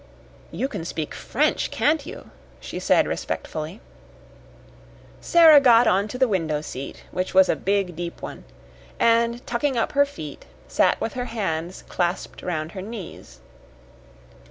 "You can speak French, can't you?" she said respectfully. Sara got on to the window seat, which was a big, deep one, and, tucking up her feet, sat with her hands clasped round her knees.